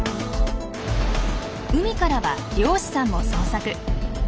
海からは漁師さんも捜索。